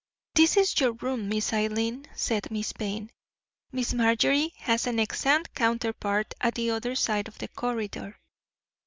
"This is your room, Miss Eileen," said Miss Payne. "Miss Marjorie has an exact counterpart at the other side of the corridor.